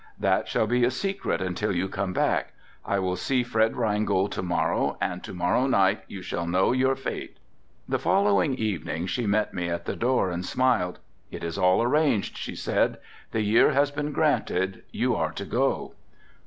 "That shall be a secret until you come back. I will see Fred Reingold to morrow and to morrow night you shall know your fate." The following evening she met me at the door and smiled. "It is all arranged," she said. "The year has been granted, you are to go."